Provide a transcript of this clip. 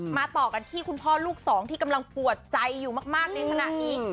ต่อกันที่คุณพ่อลูกสองที่กำลังปวดใจอยู่มากในขณะนี้